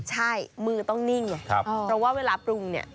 ใช่มือต้องนิ่งไงเพราะว่าเวลาปรุงเนี่ย